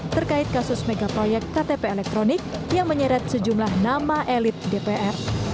terkait kasus megaproyek ktp elektronik yang menyeret sejumlah nama elit dpr